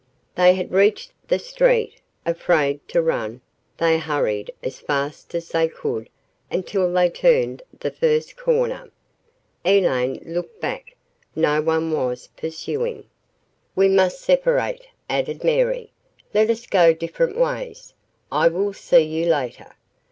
They had reached the street. Afraid to run, they hurried as fast as they could until they turned the first corner. Elaine looked back. No one was pursuing. "We must separate," added Mary. "Let us go different ways. I will see you later.